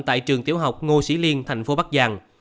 tại trường tiểu học ngô sĩ liên tp bắc giang